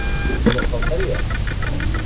Només faltaria!